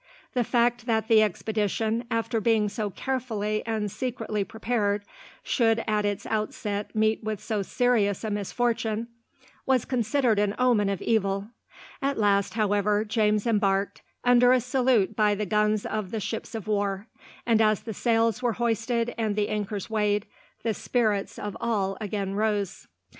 The fact that the expedition, after being so carefully and secretly prepared, should at its outset meet with so serious a misfortune, was considered an omen of evil. At last, however, James embarked, under a salute by the guns of the ships of war; and as the sails were hoisted and the anchors weighed, the spirits of all again rose.